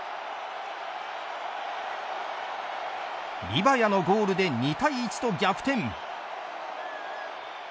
リバヤのゴールで２対１と逆転。